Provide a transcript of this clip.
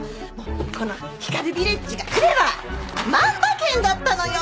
このヒカルヴィレッジがくれば万馬券だったのよ！